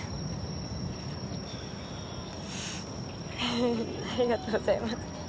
フフフッありがとうございます。